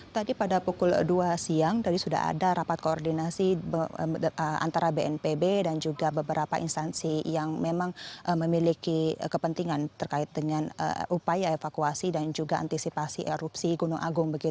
tadi pada pukul dua siang tadi sudah ada rapat koordinasi antara bnpb dan juga beberapa instansi yang memang memiliki kepentingan terkait dengan upaya evakuasi dan juga antisipasi erupsi gunung agung